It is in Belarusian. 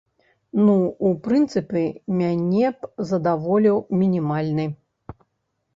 Ну, у прынцыпе, мяне б задаволіў мінімальны.